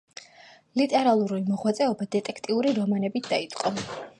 ლიტერატურული მოღვაწეობა დეტექტიური რომანებით დაიწყო.